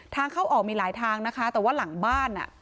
ทางเข้าออกมีหลายทางนะคะแต่ว่าหลังบ้านอ่ะ